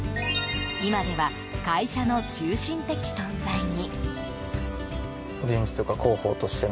今では会社の中心的存在に。